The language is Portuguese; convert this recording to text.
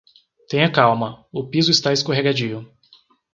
Tenha calma, o piso está escorregadio